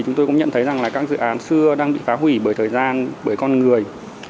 chúng tôi cũng nhận thấy rằng là các dự án xưa đang bị phá hủy bởi thời gian bởi con người